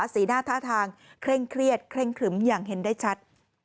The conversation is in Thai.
สีหน้าท่าทางเคร่งเครียดเคร่งครึมอย่างเห็นได้ชัด